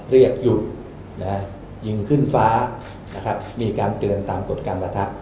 เรียกหยุดยิงขึ้นฟ้านะครับมีการเตือนตามกฎการประทะ